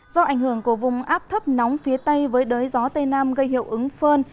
do ảnh hưởng của vùng áp thấp nóng phía tây với đới gió tây nam gây hiệu ứng phơn